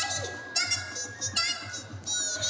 どんちっちどんちっち！